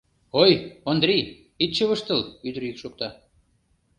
— Ой, Ондрий, ит чывыштыл, — ӱдыр йӱк шокта.